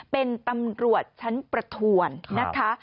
เป็นตำรวจชั้นประถวนนะคะ